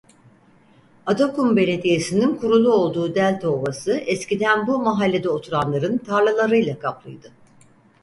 Atakum Belediyesinin kurulu olduğu delta ovası eskiden bu mahallede oturanların tarlalarıyla kaplıydı.